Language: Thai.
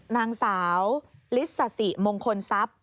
นางสาวลิสสิมงคลทรัพย์